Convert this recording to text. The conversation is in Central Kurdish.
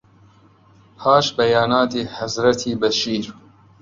پاش بەیاناتی حەزرەتی بەشیر